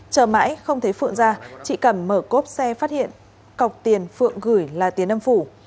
chờ mãi không thấy phượng ra chị cẩm mở cốp xe phát hiện cọc tiền phượng gửi là tiền âm phủ